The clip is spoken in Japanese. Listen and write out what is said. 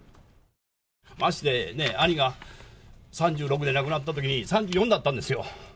まして、兄が３６で亡くなったときに、３４だったんですよ。